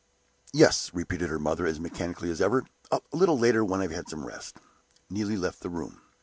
"Yes," repeated her mother, as mechanically as ever; "a little later when I have had some rest." Neelie left the room.